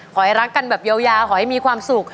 ขอให้รักกันแบบยาวขอให้มีความสุข